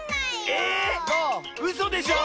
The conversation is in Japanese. えうそでしょ